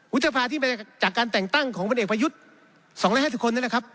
วุฒิสภาที่จากการแต่งตั้งของบนเอกประยุทธ์๒๕๐คนนั้นแหละครับ